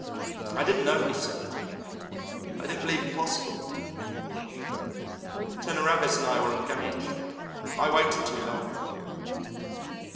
I didn't know, you see. I didn't believe it possible. Turner Ravis and I were engaged. I waited too long!